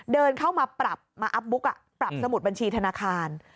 เดินเข้ามาปรับมาอัพบุ๊กปรับสมุดบัญชีธนาคาร